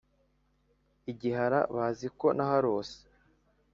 I Gihara bazi ko nahorose